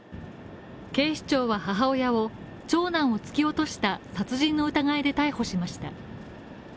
警視庁は母親を、長男を突き落とした殺人の疑いで逮捕しました。